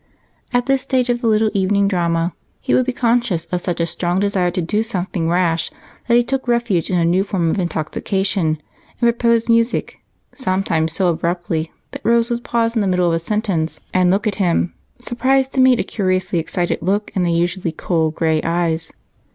At this stage of the little evening drama he would be conscious of such a strong desire to do something rash that he took refuge in a new form of intoxication and proposed music, sometimes so abruptly that Rose would pause in the middle of a sentence and look at him, surprised to meet a curiously excited look in the usually cool gray eyes.